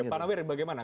pak nawir bagaimana